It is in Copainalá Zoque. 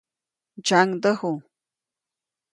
Ntsyaŋdäju.